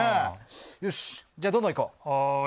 よし、じゃあどんどんいこう。